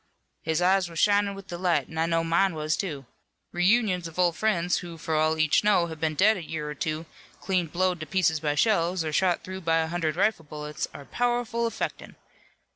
"His eyes were shinin' with delight an' I know mine was, too. Reunions of old friends who for all each know have been dead a year or two, clean blowed to pieces by shells, or shot through by a hundred rifle bullets are powerful affectin'.